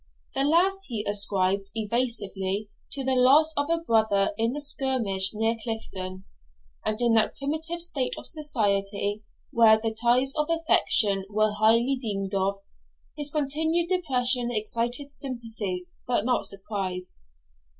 The last he ascribed, evasively, to the loss of a brother in the skirmish near Clifton; and in that primitive state of society, where the ties of affection were highly deemed of, his continued depression excited sympathy, but not surprise.